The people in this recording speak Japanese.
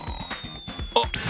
あっ！